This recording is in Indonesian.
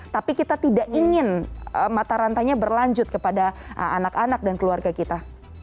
tapi kita tidak ingin mata rantainya berlanjut kepada anak anak dan keluarga kita